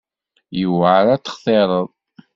Yewɛer ad textireḍ.